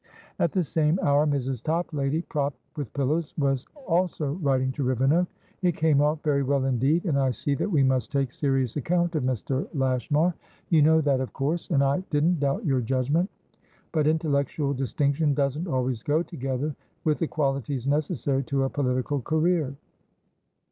At the same hour, Mrs. Toplady, propped with pillows, was also writing to Rivenoak. "It came off very well indeed, and I see that we must take serious account of Mr. Lashmar. You know that, of course, and I didn't doubt your judgment, but intellectual distinction doesn't always go together with the qualities necessary to a political career.